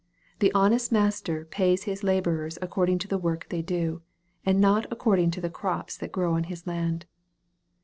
The honest master pays his laborers according to the work they do, and not acording to the crops that grow on his land.